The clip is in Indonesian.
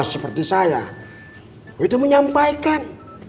seperti saya itu menyampaikan